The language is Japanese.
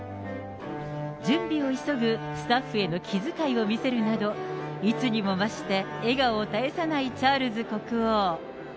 準備を急ぐスタッフへの気遣いを見せるなど、いつにもまして笑顔を絶やさないチャールズ国王。